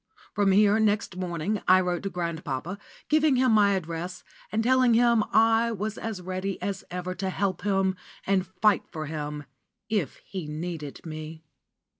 From here, next morning, I wrote to grandpapa, giving him my address, and telling him I was as ready as ever to help him and fight for him if he needed me.